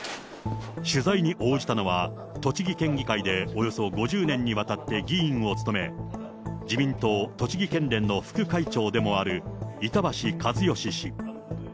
取材に応じたのは、栃木県議会でおよそ５０年にわたって議員を務め、自民党栃木県連の副会長でもある、板橋一好氏。